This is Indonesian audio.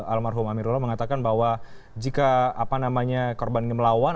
almarhum amirullah mengatakan bahwa jika korban ini melawan